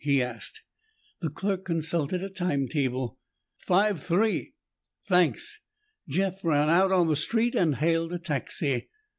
he asked. The clerk consulted a time table. "Five three." "Thanks." Jeff ran out on the street and hailed a taxi.